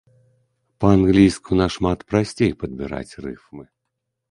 Па-англійску нашмат прасцей падбіраць рыфмы.